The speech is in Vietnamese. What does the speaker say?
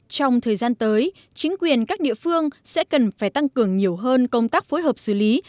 trong thời gian tới chính quyền các địa phương sẽ cần phải tăng cường nhiều hơn công tác phối hợp xử lý